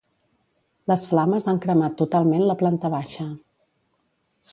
Les flames han cremat totalment la planta baixa.